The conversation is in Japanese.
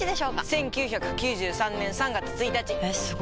１９９３年３月１日！えすご！